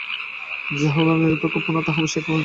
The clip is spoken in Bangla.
যাহা গুণরহিত ও নিরপেক্ষ পূর্ণ, তাহা অবশ্যই এক হইবে।